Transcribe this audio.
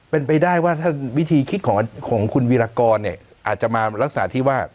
เป็นไปได้ว่าถ้าวิธีคิดของคุณวีรากรเนี่ยอาจจะมาลักษณะที่ว่า